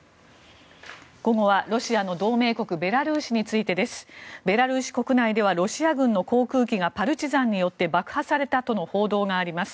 午後は、ロシアの同盟国ベラルーシについてです。ベラルーシ国内ではロシア軍の航空機がパルチザンによって爆破されたとの報道があります。